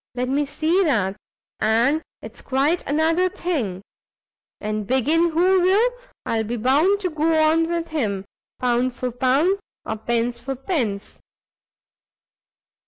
let me see that, and it's quite another thing: and begin who will, I'll be bound to go on with him, pound for pound, or pence for pence.